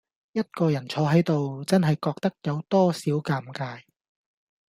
一個人坐喺度，真係覺得有多少尷尬